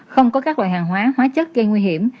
không có các loại hàng hóa hóa chất gây nguy hiểm